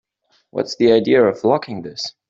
What's the idea of locking this?